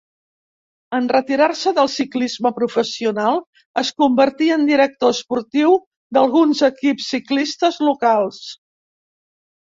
En retirar-se del ciclisme professional es convertí en director esportiu d'alguns equips ciclistes locals.